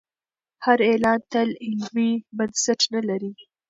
هر اعلان تل علمي بنسټ نه لري.